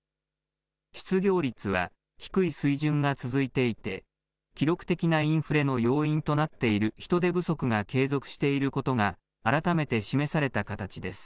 失業率は低い水準が続いていて、記録的なインフレの要因となっている人手不足が継続していることが、改めて示された形です。